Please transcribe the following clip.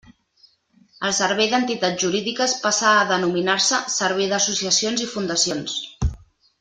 El Servei d'Entitats Jurídiques passa a denominar-se Servei d'Associacions i Fundacions.